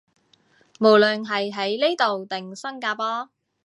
無論係喺呢度定新加坡